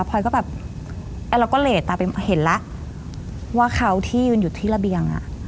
พอยก็แบบเราก็เหลดตาไปเห็นแล้วว่าเขาที่ยืนอยู่ที่ระเบียงอ่ะ